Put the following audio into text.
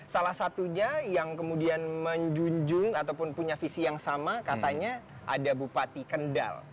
salah satunya yang kemudian menjunjung ataupun punya visi yang sama katanya ada bupati kendal